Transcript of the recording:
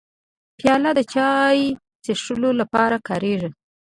پیاله د چای څښلو لپاره کارېږي.